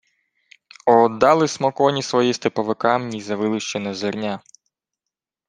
— Оддали смо коні свої степовикам ні за вилущене зерня.